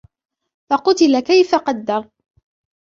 فَقُتِلَ كَيْفَ قَدَّرَ